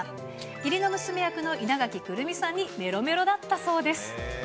義理の娘役の稲垣来泉さんにメロメロだったそうです。